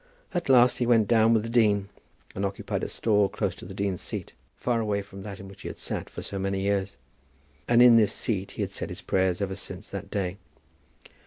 At last he went down with the dean, and occupied a stall close to the dean's seat, far away from that in which he had sat for so many years, and in this seat he had said his prayers ever since that day.